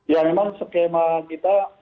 ya memang skema kita